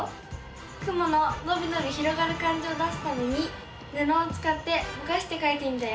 雲ののびのび広がる感じを出すためにぬのをつかってぼかしてかいてみたよ。